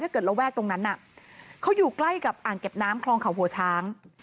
เกิดระแวกตรงนั้นน่ะเขาอยู่ใกล้กับอ่างเก็บน้ำคลองเขาหัวช้าง